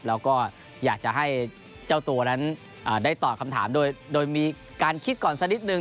แล้วก็อยากจะให้เจ้าตัวนั้นได้ตอบคำถามโดยมีการคิดก่อนสักนิดนึง